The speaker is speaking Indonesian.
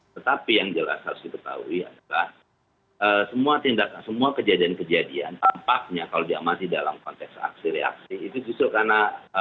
tetapi yang jelas harus diketahui adalah semua tindakan semua kejadian kejadian tampaknya kalau dia masih dalam konteks aksi reaksi itu justru karena